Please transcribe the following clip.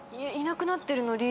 いなくなってるの。